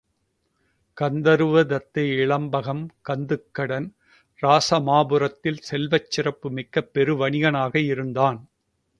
காந்தருவ தத்தை இலம்பகம் கந்துக்கடன் இராசமாபுரத்தில் செல்வச் சிறப்புமிக்க பெரு வணிகனாக இருந்தான்.